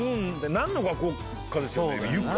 何の学校かですよね